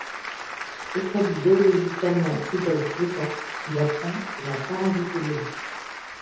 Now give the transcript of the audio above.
Auprès du zoologiste allemand Rudolf Leuckart, il apprend la parasitologie.